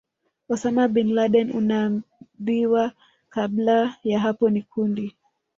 Osama Bin Laden Unaambiwa kabla ya hapo ni kundi